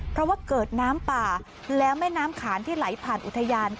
เพราะว่าเกิดน้ำป่าแล้วแม่น้ำขานที่ไหลผ่านอุทยาน